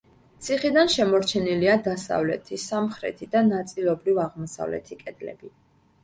ციხიდან შემორჩენილია დასავლეთი, სამხრეთი და ნაწილობრივ აღმოსავლეთი კედლები.